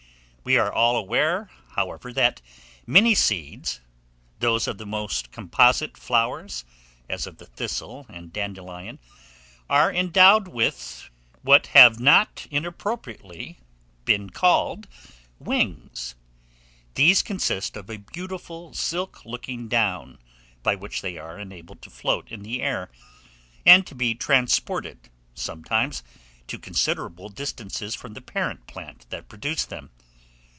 We are all aware, however, that many seeds those of the most composite flowers, as of the thistle and dandelion are endowed with, what have not been inappropriately called, wings. These consist of a beautiful silk looking down, by which they are enabled to float in the air, and to be transported, sometimes, to considerable distances from the parent plant that produced them.